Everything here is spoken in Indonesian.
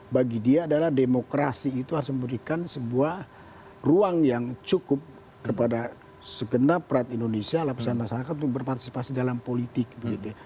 bagi dia adalah demokrasi itu harus memberikan sebuah ruang yang cukup kepada segenap rakyat indonesia lapisan masyarakat untuk berpartisipasi dalam politik begitu ya